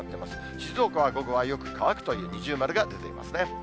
静岡は午後はよく乾くという二重丸が出ていますね。